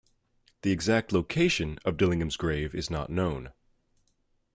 The exact location of Dillingham's grave is not known.